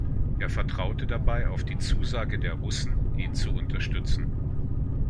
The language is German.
Er vertraute dabei auf die Zusage der Russen, ihn zu unterstützen.